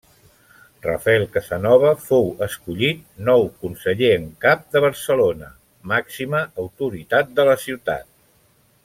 Rafael Casanova fou escollit nou Conseller en Cap de Barcelona, màxima autoritat de la ciutat.